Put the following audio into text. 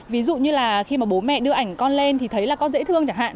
ví dụ như là khi mà bố mẹ đưa ảnh con lên thì thấy là con dễ thương chẳng hạn